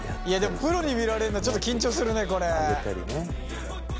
いやでもプロに見られるのちょっと緊張するねこれ。